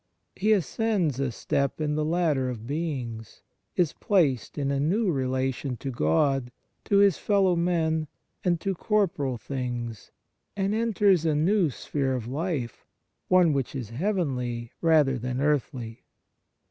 He ascends a step in the ladder of beings, is placed in a new relation to God, to his fellow men, and to corporal things, and enters a new sphere of life, one which is heavenly rather than earthly.